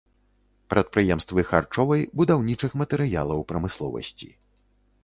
Прадпрыемствы харчовай, будаўнічых матэрыялаў прамысловасці.